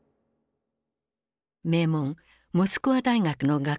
名門モスクワ大学の学生だった